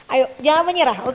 ayo jangan menyerah